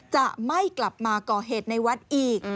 จะไม่กลับมาก่อเหตุในวัดอีก